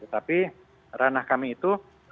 tapi ranah kami itu